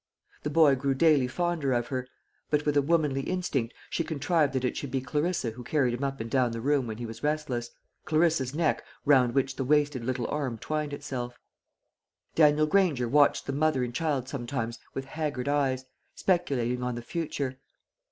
The boy grew daily fonder of her; but, with a womanly instinct, she contrived that it should be Clarissa who carried him up and down the room when he was restless Clarissa's neck round which the wasted little arm twined itself. Daniel Granger watched the mother and child sometimes with haggard eyes, speculating on the future.